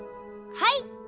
はい！